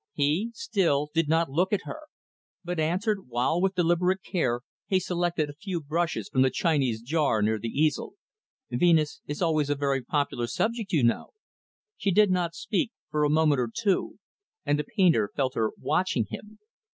He, still, did not look at her; but answered, while, with deliberate care, he selected a few brushes from the Chinese jar near the easel, "Venus is always a very popular subject, you know." She did not speak for a moment or two; and the painter felt her watching him.